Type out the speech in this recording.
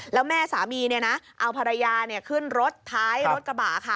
แล้วแม่สามีเอาภรรยาขึ้นรถท้ายรถกระบะค่ะ